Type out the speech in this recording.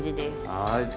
はい。